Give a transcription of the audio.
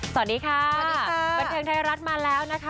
สวัสดีค่ะสวัสดีค่ะบันเทิงไทยรัฐมาแล้วนะคะ